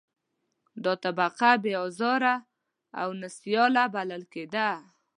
دا طبقه بې آزاره او نا سیاله بلل کېدله.